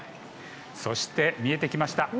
そして見えてきました。